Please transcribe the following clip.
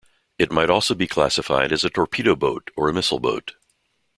It might also be classified as a torpedo boat or a missile boat.